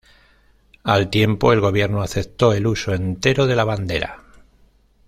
Al tiempo, el gobierno aceptó el uso entero de la bandera.